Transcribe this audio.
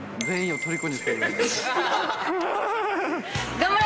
頑張れ。